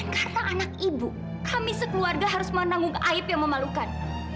dan karena anak ibu kami sekeluarga harus menanggung aib yang memalukan